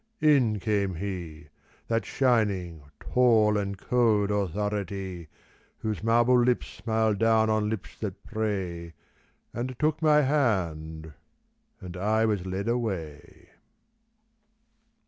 In came he. That shining, tall and cold Authority, Whose marble lips smile down on lips that pray, And took my hand, and I was led away.